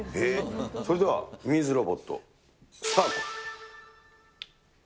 それではミミズロボット、スタート。